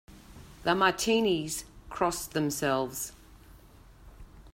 The Martinis cross themselves.